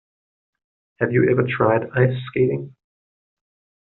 Have you ever tried ice skating?